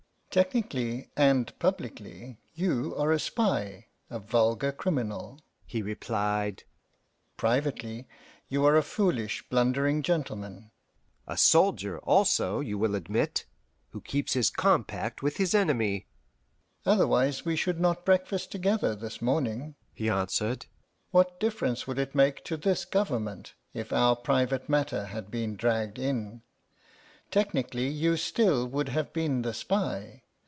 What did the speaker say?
"Technically and publicly, you are a spy, a vulgar criminal," he replied; "privately, you are a foolish, blundering gentleman." "A soldier, also, you will admit, who keeps his compact with his enemy." "Otherwise we should not breakfast together this morning," he answered. "What difference would it make to this government if our private matter had been dragged in? Technically, you still would have been the spy.